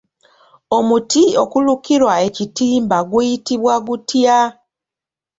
Omuti okulukirwa ekitimba guyitibwa gutya?